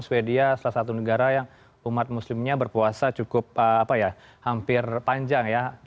sweden salah satu negara yang umat muslimnya berpuasa cukup hampir panjang ya